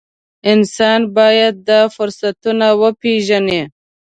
انسان باید دا فرصتونه وپېژني.